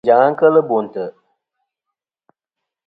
Anjaŋ-a kel Bo ntè'.